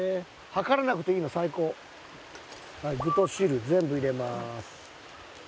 具と汁全部入れます。